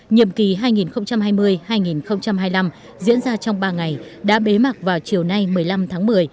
nhiệm kỳ hai nghìn hai mươi hai nghìn hai mươi năm diễn ra trong ba ngày đã bế mạc vào chiều nay một mươi năm tháng một mươi